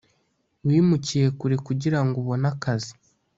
wimukiye kure kugirango ubone akazi